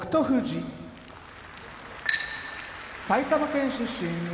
富士埼玉県出身